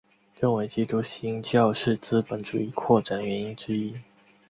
认为基督新教是资本主义扩展原因之一。